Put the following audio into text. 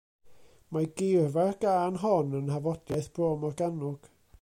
Mae geirfa'r gân hon yn nhafodiaith Bro Morgannwg.